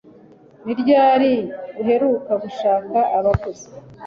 Ni ryari uheruka gushaka abakozi